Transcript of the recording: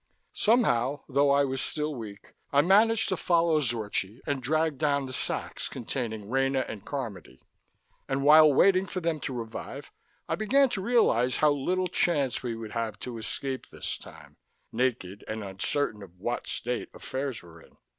Somehow, though I was still weak, I managed to follow Zorchi and drag down the sacks containing Rena and Carmody. And while waiting for them to revive, I began to realize how little chance we would have to escape this time, naked and uncertain of what state affairs were in.